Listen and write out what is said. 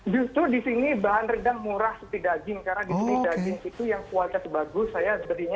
justru di sini bahan redang murah seperti daging karena di sini daging itu yang kuatnya bagus saya berinya biasanya cuma rp seratus per kilonya